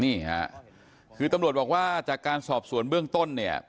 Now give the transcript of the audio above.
นี่ค่ะคือตำรวจบอกว่าจากการสอบสวนเบื้องต้นเนี่ย